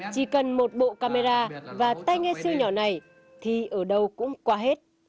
chỉ cần một bộ camera và tai nghe sưu nhỏ này thì ở đâu cũng qua hết